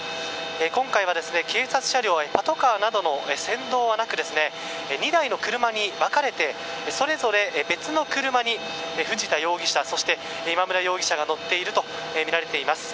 今回は警察車両やパトカーなどの先導はなく２台の車に分かれてそれぞれ別の車に藤田容疑者、今村容疑者が乗っているとみられています。